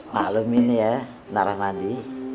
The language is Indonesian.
maklumin ya narahmadi